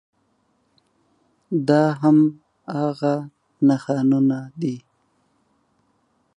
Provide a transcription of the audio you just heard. دا هماغه نښانونه